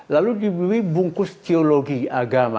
lalu diberi bungkus teologi agama